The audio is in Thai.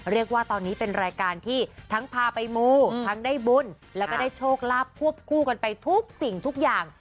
เรียกว่าตอนนี้เป็นรายการที่ทั้งพาไปมูทั้งได้บุญแล้วก็ได้โชคลาภควบคู่กันไปทุกสิ่งทุกอย่าง